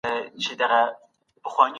زه د مرغانو ږغ اورم.